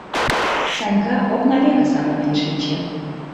— Санька окна веке савырнен шинче.